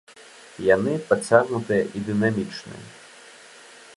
Яны падцягнутыя і дынамічныя.